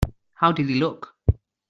How did he look?